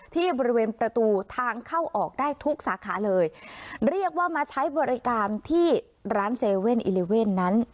ที่บริเวณประตูทางเข้าออกได้ทุกสาขาเลยเรียกว่ามาใช้บริการที่ร้าน๗๑๑นั้น